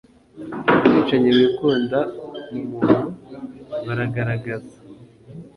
Umwicanyi wikunda mumuntu baragaragaza